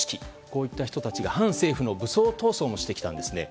こういった人たちが反政府の武装闘争もしてきたんですね。